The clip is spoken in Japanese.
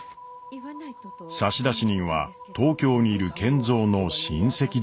差出人は東京にいる賢三の親戚でした。